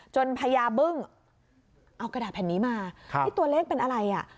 พญาบึ้งเอากระดาษแผ่นนี้มานี่ตัวเลขเป็นอะไรอ่ะ